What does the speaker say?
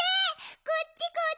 こっちこっち！